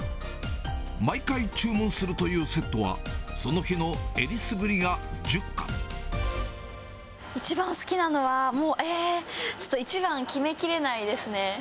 毎回注文するというセットは、一番好きなのは、もう、えー、ちょっと一番、決めきれないですね。